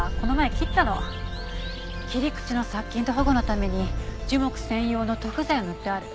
切り口の殺菌と保護のために樹木専用の塗布剤を塗ってある。